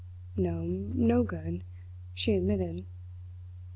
"No, no good," she admitted.